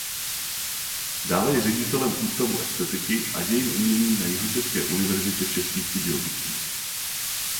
Dále je ředitelem Ústavu estetiky a dějin umění na Jihočeské univerzitě v Českých Budějovicích.